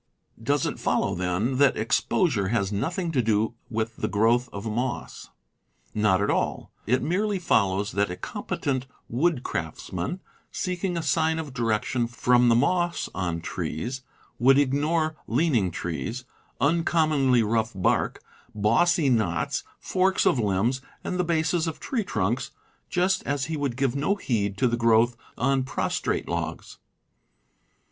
Does it follow, then, that exposure has nothing to do with the growth of moss ? Not at all. It merely follows that a competent woodcraftsman, seeking a sign of direction from the moss on trees, would ignore leaning trees, uncommonly rough bark, bossy knots, forks of limbs, and the bases of tree trunks, just as he would give no heed to the growth on prostrate logs.